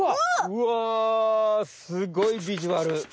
うわすごいビジュアル！